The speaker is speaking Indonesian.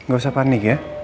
gak usah panik ya